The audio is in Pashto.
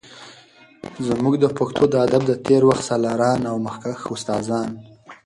زمونږ د پښتو د ادب د تیر وخت سالاران او مخکښ استادان